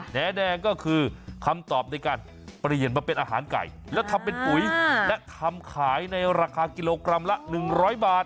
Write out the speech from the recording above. แดงก็คือคำตอบในการเปลี่ยนมาเป็นอาหารไก่แล้วทำเป็นปุ๋ยและทำขายในราคากิโลกรัมละ๑๐๐บาท